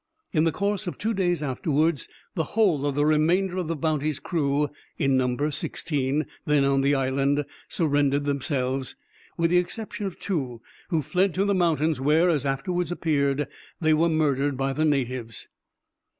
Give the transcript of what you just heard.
In the course of two days afterwards, the whole of the remainder of the Bounty's crew (in number sixteen) then on the island surrendered themselves, with the exception of two, who fled to the mountains, where, as it afterwards appeared, they were murdered by the natives.